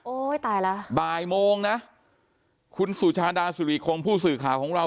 ตายแล้วบ่ายโมงนะคุณสุชาดาสุริคงผู้สื่อข่าวของเรา